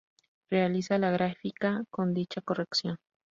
Realizar la gráfica con dicha corrección.